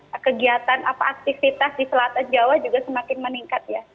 nah kegiatan atau aktivitas di selatan jawa juga semakin meningkat ya